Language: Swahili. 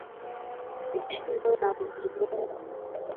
Heshima na utukufu